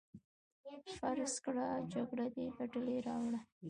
فرض کړه جګړه دې ګټلې راوړه.